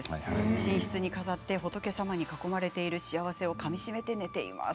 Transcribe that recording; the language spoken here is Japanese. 寝室に飾って、仏様に囲まれている幸せをかみしめて寝ています。